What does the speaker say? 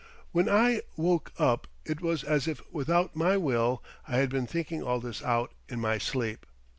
"When I woke up it was as if, without my will, I had been thinking all this out in my sleep.